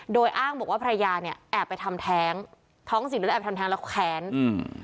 โดยอ้างบอกว่าภรรยาเนี้ยแอบไปทำแท้งท้องถิ่นแล้วแอบทำแท้งแล้วแค้นอืม